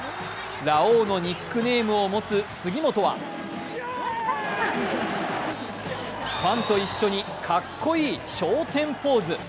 ラオウのニックネームを持つ杉本はファンと一緒に、かっこいい昇天ポーズ。